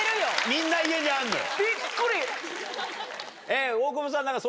みんな家にあるのよ。